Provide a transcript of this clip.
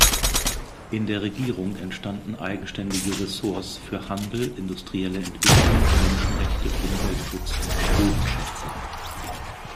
In der Regierung entstanden eigenständige Ressorts für Handel, Industrielle Entwicklung, Menschenrechte, Umweltschutz und Bodenschätze.